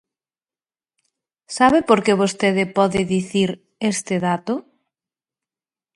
¿Sabe por que vostede pode dicir este dato?